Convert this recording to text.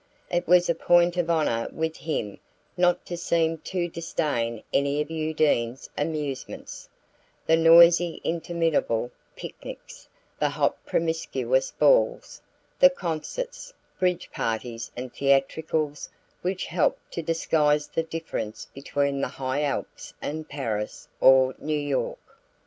It was a point of honour with him not to seem to disdain any of Undine's amusements: the noisy interminable picnics, the hot promiscuous balls, the concerts, bridge parties and theatricals which helped to disguise the difference between the high Alps and Paris or New York.